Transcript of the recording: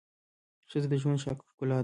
ښځه د ژوند ښکلا ده